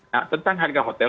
nah tentang harga hotel